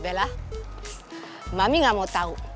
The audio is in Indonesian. bella mami gak mau tahu